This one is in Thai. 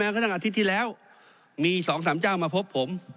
อาทิตย์ที่แล้วมี๒๓จ้าวมาพบผม